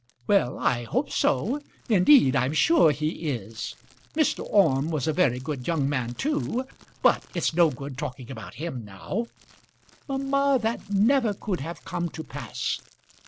"Well I hope so. Indeed, I'm sure he is. Mr. Orme was a very good young man too; but it's no good talking about him now." "Mamma, that never could have come to pass."